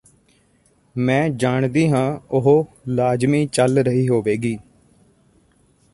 ਮੈਂ ਜਾਣਦੀ ਹਾਂ ਉਹ ਲਾਜ਼ਮੀ ਚੱਲ ਰਹੀ ਹੋਵੇਗੀ